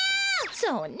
そうね。